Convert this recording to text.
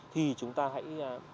thì chúng ta hãy